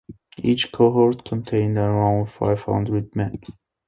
Each cohort contained around five hundred men.